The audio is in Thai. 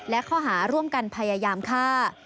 และข้อหาร่วมกันพยายามฆ่า